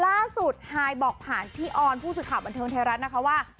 ฮายบอกผ่านพี่ออนผู้สื่อข่าวบันเทิงไทยรัฐนะคะว่า